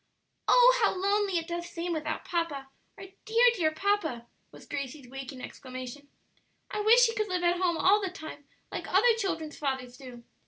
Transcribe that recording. "Oh, how lonely it does seem without papa! our dear, dear papa!" was Gracie's waking exclamation. "I wish he could live at home all the time like other children's fathers do!